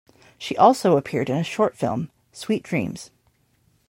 She also appeared in a short film, "Sweet Dreams".